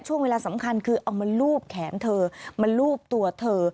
ช่วงเวลาสำคัญคือเอามาลูบแขนเธอมาลูบตัวเธอ